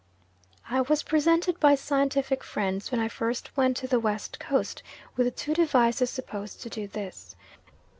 I was presented by scientific friends, when I first went to the West Coast, with two devices supposed to do this.